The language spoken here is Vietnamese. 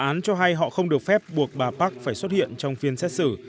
tòa án cho hay họ không được phép buộc bà park phải xuất hiện trong phiên xét xử